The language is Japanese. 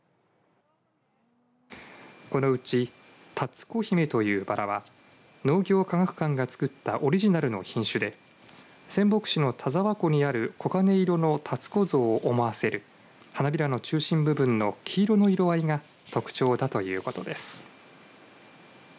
このうち、たつこ姫というバラは農業科学館がつくったオリジナルの品種で仙北市の田沢湖にある黄金色のたつこ像を思わせる花びらの中心部分の黄色の色合いが特徴だということです。